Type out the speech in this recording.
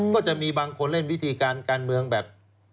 ก็จะมีบางคนเล่นวิธีการการเมืองแบบ